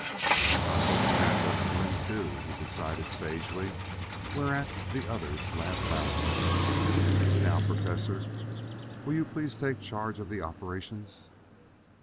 "I hope Tad doesn't win, too," he decided sagely, whereat the others laughed loudly. "Now, Professor, will you please take charge of the operations?"